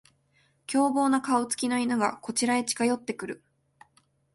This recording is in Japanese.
凶暴な顔つきの犬がこちらへ近寄ってくる